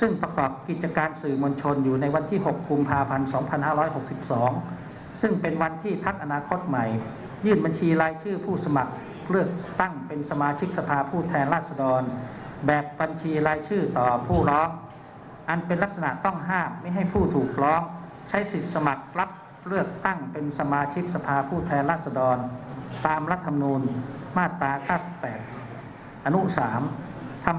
ซึ่งประกอบกิจการสื่อมวลชนอยู่ในวันที่๖กุมภาพันธ์๒๕๖๒ซึ่งเป็นวันที่พักอนาคตใหม่ยื่นบัญชีรายชื่อผู้สมัครเลือกตั้งเป็นสมาชิกสภาผู้แทนราชดรแบบบัญชีรายชื่อต่อผู้ร้องอันเป็นลักษณะต้องห้ามไม่ให้ผู้ถูกร้องใช้สิทธิ์สมัครรับเลือกตั้งเป็นสมาชิกสภาผู้แทนราษฎรตามรัฐมนูลมาตรา๕๘อนุ๓